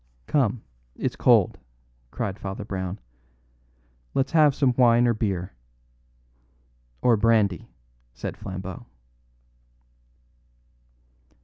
"Come, it's cold," cried Father Brown; "let's have some wine or beer." "Or brandy," said Flambeau.